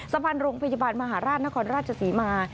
สะพานโรงพยาบาลมหาราชนครราชศรีมา